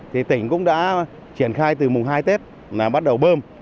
thì tỉnh cũng đã triển khai từ mùng hai tết là bắt đầu bơm